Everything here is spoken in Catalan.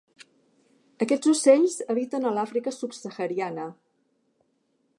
Aquests ocells habiten a l'Àfrica subsahariana.